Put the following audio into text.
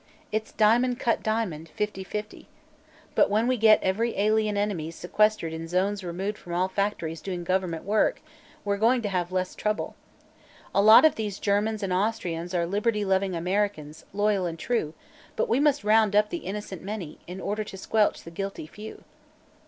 It's diamond cut diamond fifty fifty. But when we get every alien enemy sequestered in zones removed from all factories doing government work, we're going to have less trouble. A lot of these Germans and Austrians are liberty loving Americans, loyal and true, but we must round up the innocent many, in order to squelch the guilty few."